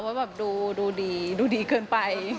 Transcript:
ว่าแบบดูดีดูดีเกินไป